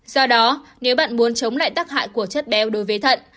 do đó nếu bạn muốn chống lại tác hại của chất béo đối với thận